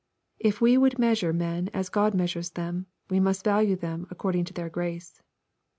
li we would measure men as God measures them, we must value them according to their grace.